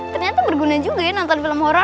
ternyata berguna juga ya nonton film horror